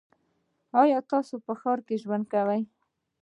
ایا تاسو په ښار کې ژوند کوی؟